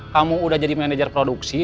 kamu udah jadi manajer produksi